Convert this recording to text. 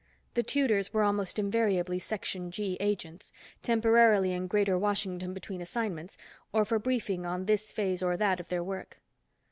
The tutors were almost invariably Section G agents, temporarily in Greater Washington between assignments, or for briefing on this phase or that of their work.